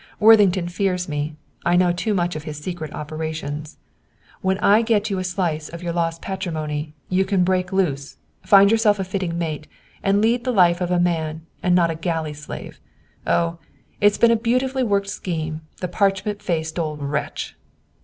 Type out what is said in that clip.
Worthington fears me. I know too much of his secret operations. "When I get you a slice of your lost patrimony, you can break loose, find yourself a fitting mate, and lead the life of a man, and not a galley slave. Oh! It has been a beautifully worked scheme. The parchment faced old wretch!"